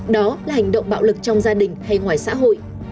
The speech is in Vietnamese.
đó là hành động bạo lực trong gia đình hay ngoài xã hội